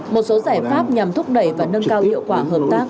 một số giải pháp nhằm thúc đẩy và nâng cao hiệu quả hợp tác